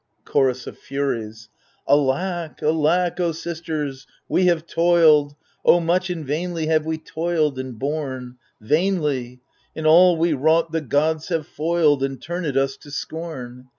! Chorus of Furies Alack, alack, O sisters, we have toiled, O much and vainly have we toiled and borne 1 Vainly 1 and all we wrought the gods have foiled. And turned us to scorn